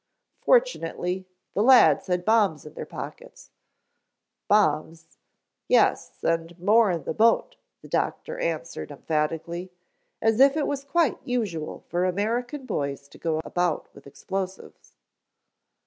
Fortunately the lads had bombs in their pockets " "Bombs " "Yes and more in the boat," the doctor answered emphatically, as if it was quite usual for American boys to go about with explosives.